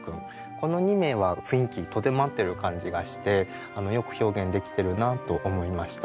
この２名は雰囲気とても合ってる感じがしてよく表現できてるなと思いました。